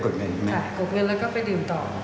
กดเงินแล้วก็ไปดื่มต่อ